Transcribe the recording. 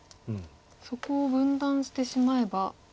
そこを分断してしまえば。